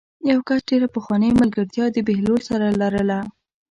یوه کس ډېره پخوانۍ ملګرتیا د بهلول سره لرله.